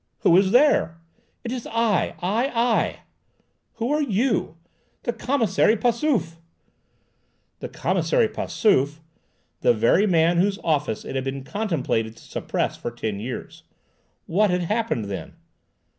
"Who is there?" "It is I! I! I!" "Who are you?" "The Commissary Passauf!" The Commissary Passauf! The very man whose office it had been contemplated to suppress for ten years. What had happened, then?